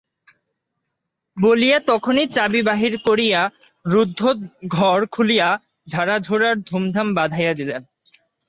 বলিয়া তখনই চাবি বাহির করিয়া রুদ্ধ ঘর খুলিয়া ঝাড়াঝোড়ার ধুমধাম বাধাইয়া দিলেন।